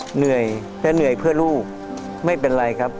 เหนื่อยและเหนื่อยเพื่อลูกไม่เป็นไรครับ